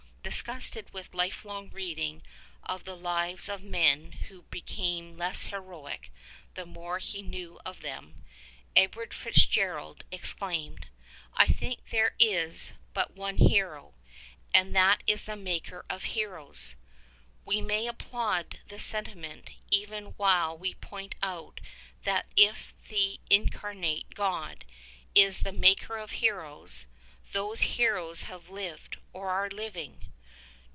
Disgusted with a life long reading of the lives of men who became less heroic the more he knew of them, Edward Fitz gerald exclaimed : "I think there is but one Hero : and that is the Maker of Heroes." We may applaud this senti ment even while we point out that if the Incarnate God is the Maker of heroes, those heroes have lived or are living.